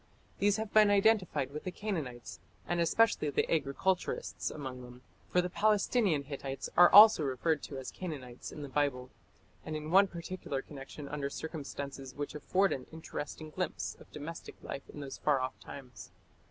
These have been identified with the Canaanites, and especially the agriculturists among them, for the Palestinian Hittites are also referred to as Canaanites in the Bible, and in one particular connection under circumstances which afford an interesting glimpse of domestic life in those far off times.